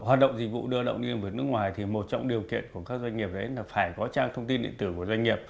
hoạt động dịch vụ đưa lao động liên hệ với nước ngoài thì một trong điều kiện của các doanh nghiệp là phải có trang thông tin điện tử của doanh nghiệp